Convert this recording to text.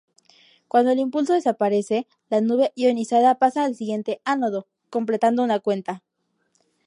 Cuando el pulso desaparece, la nube ionizada pasa al siguiente ánodo, completando una cuenta.